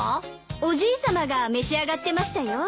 おじいさまが召し上がってましたよ。